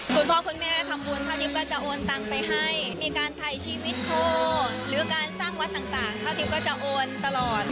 คุณพ่อคุณแม่ทำบุญเท่าทิพย์ก็จะโอนตังไปให้มีการถ่ายชีวิตโทรหรือการสร้างวัดต่างข้าวทิพย์ก็จะโอนตลอด